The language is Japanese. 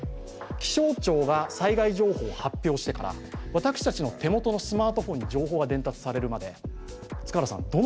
気象庁が災害情報を発表してから私たちの手元のスマートフォンに情報が伝達されるまで塚原さん